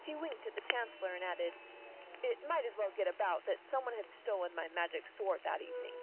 He winked at the Chancellor and added, "It might as well get about that some one had stolen my Magic Sword that evening."